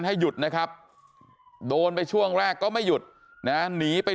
ให้หยุดนะครับโดนไปช่วงแรกก็ไม่หยุดนะหนีไป